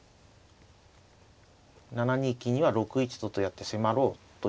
７二金には６一ととやって迫ろうということでしょう。